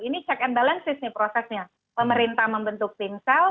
ini check and balances nih prosesnya pemerintah membentuk timsel